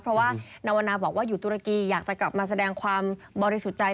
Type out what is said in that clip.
เพราะว่านาวนาบอกว่าอยู่ตุรกีอยากจะกลับมาแสดงความบริสุทธิ์ใจ